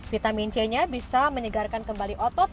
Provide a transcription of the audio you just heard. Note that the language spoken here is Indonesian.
vitamin c nya bisa menyegarkan kembali otot